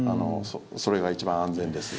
それが一番安全です。